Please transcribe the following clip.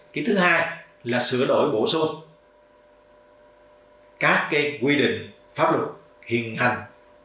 cái thứ hai là sửa đổi bổ xuất các cái quy định pháp lực hiện hành